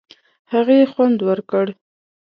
هغې خوند ورکړ.